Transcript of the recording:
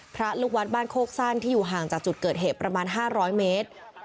ลูกวัดบ้านโคกสั้นที่อยู่ห่างจากจุดเกิดเหตุประมาณ๕๐๐เมตร